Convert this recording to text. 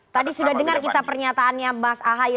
tadi sudah dengar kita pernyataannya mas ahaye